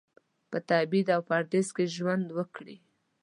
په تبعید او پردیس کې ژوند وکړي.